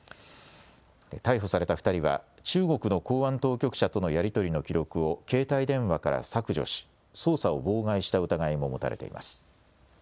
逮捕された２人は、中国の公安当局者とのやり取りの記録を、携帯電話から削除し、捜査を妨害した疑いも持たれています。